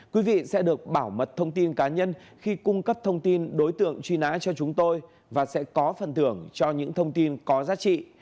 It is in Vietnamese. quý vị sẽ được bảo mật thông tin cá nhân khi cung cấp thông tin đối tượng truy nã cho chúng tôi và sẽ có phần thưởng cho những thông tin có giá trị